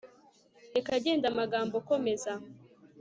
reka genda amagambo komeza